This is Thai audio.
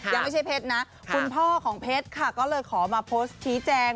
ยังไม่ใช่เพชรนะคุณพ่อของเพชรค่ะก็เลยขอมาโพสต์ชี้แจง